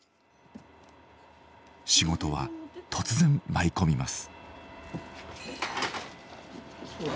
仕事は突然舞い込みます。